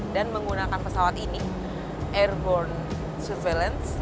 dan menggunakan pesawat ini airborne surveillance